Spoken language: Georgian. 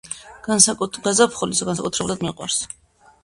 გაზაფხული განსაკუთრებულად მიყვარს.